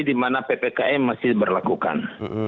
dimana ppkm masih berlakukan